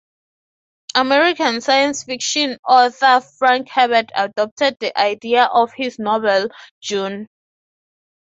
American science fiction author Frank Herbert adopted the idea for his novel "Dune".